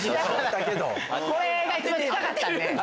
これが一番近かったんで。